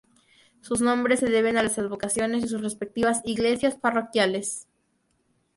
Sus nombres se deben a las advocaciones de sus respectivas iglesias parroquiales.